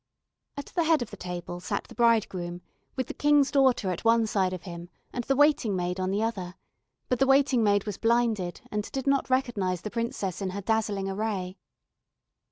At the head of the table sat the bridegroom with the King's daughter at one side of him and the waiting maid on the other, but the waiting maid was blinded, and did not recognize the princess in her dazzling array.